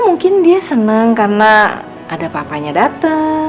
ya mungkin dia seneng karena ada papanya dateng